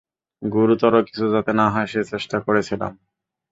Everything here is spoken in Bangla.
গুরুতর কিছু যাতে না হয়, সে চেষ্টা করেছিলাম।